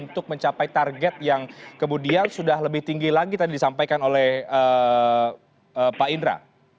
untuk mencapai target yang kemudian sudah lebih tinggi lagi tadi disampaikan oleh pak indra